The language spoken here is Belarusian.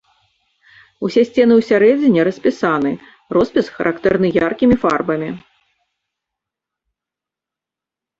Усе сцены ўсярэдзіне распісаны, роспіс характэрны яркімі фарбамі.